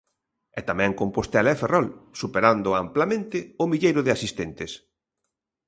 E tamén Compostela e Ferrol, superando amplamente o milleiro de asistentes.